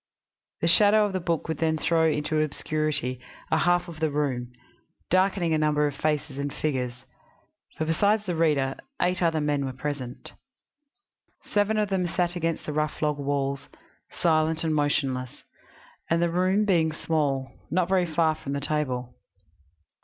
The shadow of the book would then throw into obscurity a half of the room, darkening a number of faces and figures; for besides the reader, eight other men were present. Seven of them sat against the rough log walls, silent and motionless, and, the room being small, not very far from the table.